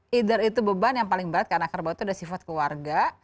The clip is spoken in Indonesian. heather itu beban yang paling berat karena kerbau itu ada sifat keluarga